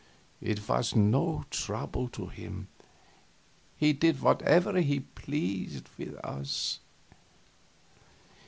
It was no trouble to him; he did whatever he pleased with us.